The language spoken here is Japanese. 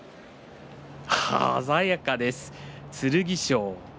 鮮やかです、剣翔。